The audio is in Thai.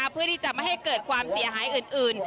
เพื่อที่จะไม่ให้เกิดความเสียหายอื่น